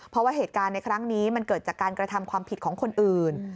เพราะว่าเหตุการณ์ในครั้งนี้มันเกิดจากการกระทำความผิดของคนอื่น